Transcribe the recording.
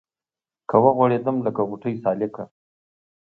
که غوړېدم لکه غوټۍ سالکه